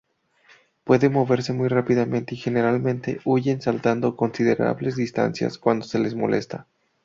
Puede moverse muy rápidamente y generalmente huyen saltando considerables distancias cuando se les molesta.